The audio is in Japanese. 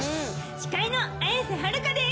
司会の綾瀬はるかです。